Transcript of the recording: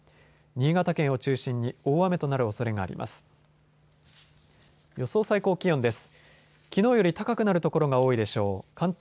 新潟県を中心に大雨となるおそれがあります。